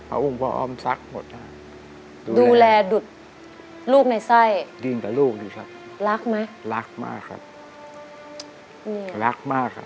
ลักมากครับ